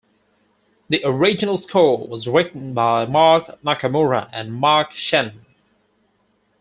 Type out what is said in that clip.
The original score was written by Mark Nakamura and Mark Shannon.